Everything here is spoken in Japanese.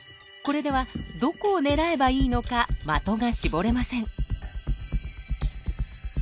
これではどこを狙えばいいのか的が絞れません。